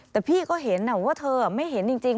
แต่พี่ก็เห็นว่าเธอไม่เห็นจริง